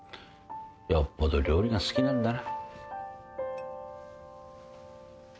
よっぽど料理が好きなんだな。